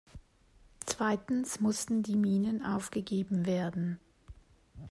Zweitens mussten die Minen aufgegeben werden.